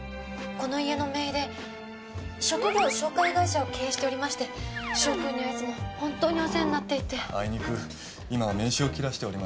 この家の姪で職業紹介会社を経営しておりまして翔くんにはいつも本当にお世話になっていて。